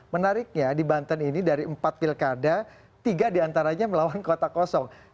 menariknya di banten ini dari empat pilkada tiga diantaranya melawan kota kosong